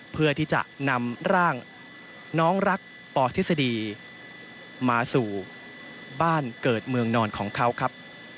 เพื่อที่จะนำร่างน้องรักปทฤษฎีมาสู่บ้านเกิดเมืองนอนของเขาครับ